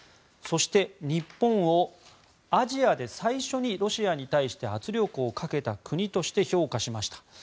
そして、日本をアジアで最初にロシアに対して圧力をかけた国として評価しました。